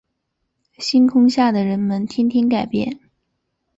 星空下的人们天天改变